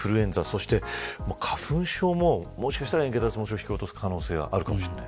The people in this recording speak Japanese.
そして花粉症ももしかしたら円形脱毛症を引き起こす可能性があるかもしれない。